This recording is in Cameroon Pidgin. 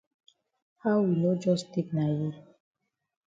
How we no jus take na yi?